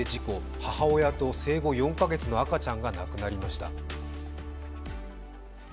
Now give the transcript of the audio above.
母親と生後４か月の赤ちゃんが亡くなりました。